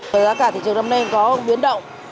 giá cả thị trường năm nay có biến động